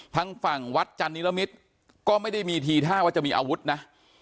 ทางฝั่งวัดจันนิรมิตรก็ไม่ได้มีทีท่าว่าจะมีอาวุธนะ